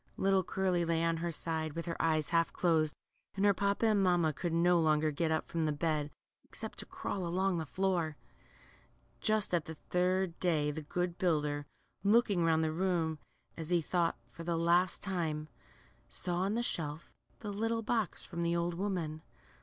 Little Curly lay on her side, with her eyes half closed, and her papa and mamma could no longer get up from the bed, except to crawl along the floor. Just at the third day the good builder, looking round the room, as he thought, for the last time, saw on the shelf the little box from the old woman.